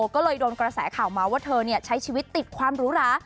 ก็เลยโดนกระแสข่าวมาว่าเธอใช้ชีวิตติดความหรูหรา